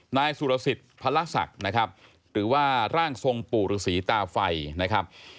นายสุรสิทธิ์พระศักดิ์นะครับหรือว่าร่างทรงปู่ฤษีตาไฟนะครับ